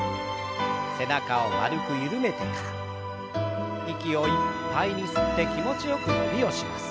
背中を丸く緩めてから息をいっぱいに吸って気持ちよく伸びをします。